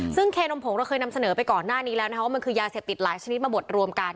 ซึ่งเคนมผงเราเคยนำเสนอไปก่อนหน้านี้แล้วนะคะว่ามันคือยาเสพติดหลายชนิดมาบดรวมกัน